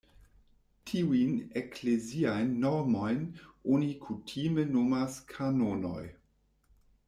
Tiujn ekleziajn normojn oni kutime nomas "kanonoj".